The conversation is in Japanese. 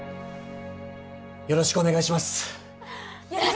よろしくお願いします！